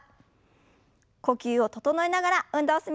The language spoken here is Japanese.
呼吸を整えながら運動を進めましょう。